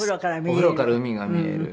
お風呂から海が見える。